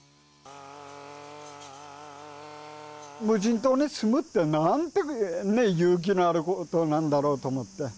無人島に住むってなんてね勇気のあることなんだろうと思って。